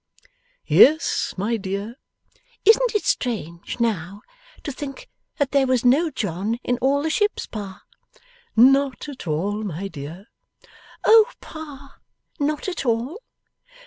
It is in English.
'Yes, my dear.' 'Isn't it strange, now, to think that there was no John in all the ships, Pa?' 'Not at all, my dear.' 'Oh, Pa! Not at all?